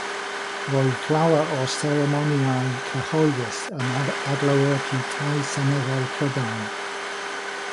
Roedd llawer o'r seremonïau cyhoeddus yn adlewyrchu Tai Seneddol Prydain.